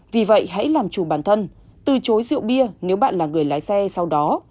vì vậy hãy làm chủ bản thân từ chối rượu bia nếu bạn là người lái xe sau đó